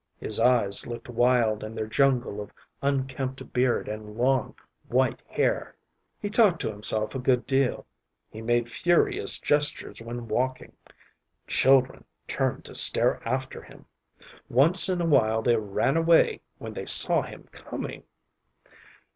His eyes looked wild in their jungle of unkempt beard and long white hair. He talked to himself a good deal; he made furious gestures when walking. Children turned to stare after him; once in a while they ran away when they saw him coming.